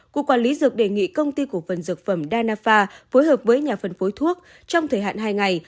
cục quản lý dược đề nghị công ty cổ phần dược phẩm danafa phối hợp với nhà phân phối thuốc trong thời hạn hai ngày